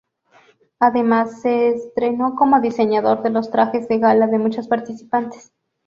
Además, se estrenó como diseñador de los trajes de gala de muchas participantes.